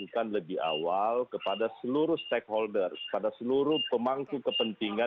tidak ada urgensinya